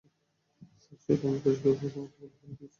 Sir, সেটা আমি পরিষ্কার করে আমার প্রোফাইলে বলে দিয়েছি।